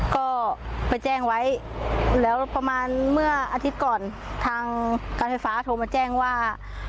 ก็ไปแจ้งไว้แล้วประมาณเมื่ออาทิตย์ก่อนทางการไฟฟ้าโทรมาแจ้งว่า